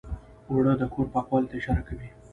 اوړه د کور پاکوالي ته اشاره کوي